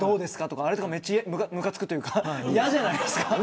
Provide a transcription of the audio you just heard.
あれ、むかつくというか嫌じゃないですか。